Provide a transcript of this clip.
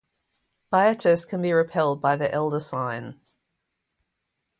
Byatis can be repelled by the Elder Sign.